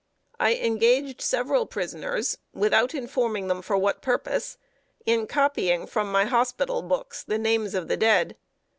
I engaged several prisoners, without informing them for what purpose, in copying from my hospital books the names of the dead.